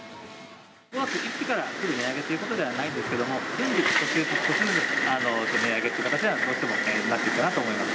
５月１日からすぐ値上げということではないんですけれども、順次、少しずつ少しずつ値上げという形には、どうしてもなっていくかなと思います。